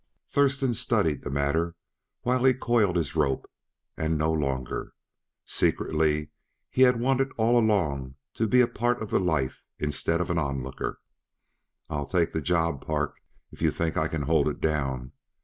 Thurston studied the matter while he coiled his rope, and no longer. Secretly he had wanted all along to be a part of the life instead of an onlooker. "I'll take the job, Park if you think I can hold it down."